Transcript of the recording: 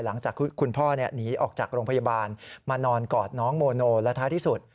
หลังจากคุณพ่อหนีออกจากโรงพยาบาลมานอนกอดน้องโมโนและท้ายที่สุด